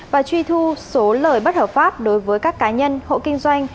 và truy thu số lời bất hợp pháp đối với các cá nhân hộ kinh doanh